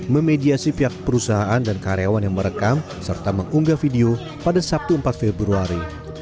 memediasi pihak perusahaan dan karyawan yang merekam serta mengunggah video pada sabtu empat februari